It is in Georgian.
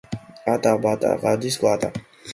ატა, ბატა, გადის კვატა.